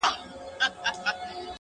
یو له بله بېلېدل سوه د دوستانو-